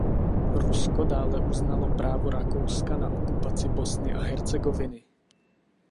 Rusko dále uznalo právo Rakouska na okupaci Bosny a Hercegoviny.